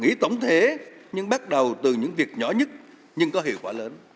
nghĩ tổng thể nhưng bắt đầu từ những việc nhỏ nhất nhưng có hiệu quả lớn